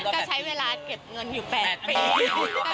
ก็ใช้เวลาเก็บเงินอยู่๘ปี